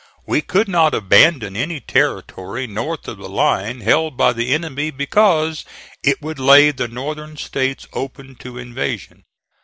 We could not abandon any territory north of the line held by the enemy because it would lay the Northern States open to invasion.